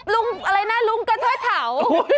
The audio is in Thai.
ลุงอะไรนะลุงกะเท่า